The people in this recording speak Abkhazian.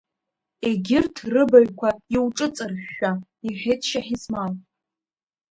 Егьырҭ рыбаҩқәа иуҿыҵыршәшәа, — иҳәеит Шьаҳисмал.